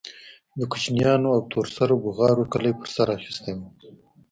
د کوچنيانو او تور سرو بوغارو کلى په سر اخيستى و.